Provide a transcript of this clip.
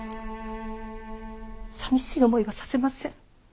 さみしい思いはさせません。